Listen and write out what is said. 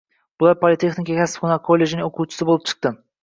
Bular Politexnika kasb-hunar kollejining oʻquvchisi boʻlib chiqdi.